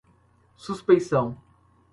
suspeição